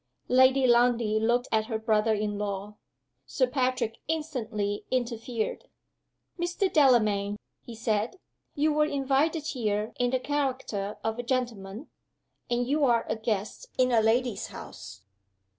Lady Lundie looked at her brother in law. Sir Patrick instantly interfered. "Mr. Delamayn," he said, "you were invited here in the character of a gentleman, and you are a guest in a lady's house."